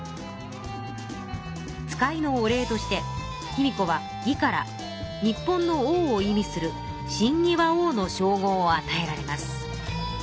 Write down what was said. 使いのお礼として卑弥呼は魏から日本の王を意味する親魏倭王のしょう号をあたえられます。